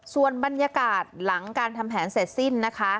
ส่วนบรรยากาศหลังการทำแผนเสร็จสิ้นนะคะ